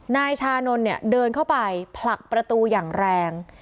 นายชานนท์เนี่ยเดินเข้าไปผลักประตูอย่างแรง